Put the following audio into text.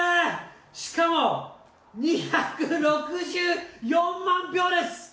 しかも、２６４万票です。